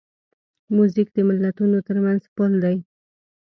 موزیک د ملتونو ترمنځ پل دی.